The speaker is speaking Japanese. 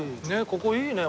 ここいいね。